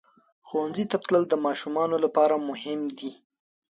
ښوونځي ته تلل د ماشومانو لپاره مهم دي.